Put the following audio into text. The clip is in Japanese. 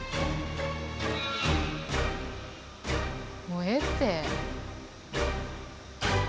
もうええって。